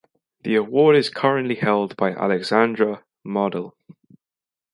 The award is currently held by Alexandra Mardell.